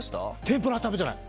天ぷらは食べてない。